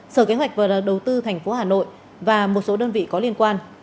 sở kế hoạch và đầu tư thành phố hà nội và một số đơn vị có liên quan